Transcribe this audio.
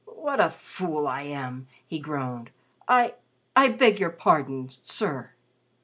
"What a fool I am!" he groaned. "I I beg your pardon sir."